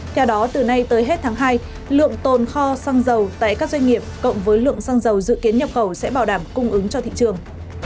theo đó từ nay tới hết tháng hai lượng tồn kho xăng dầu tại các doanh nghiệp cộng với lượng xăng dầu dự kiến nhập khẩu sẽ bảo đảm cung ứng cho thị trường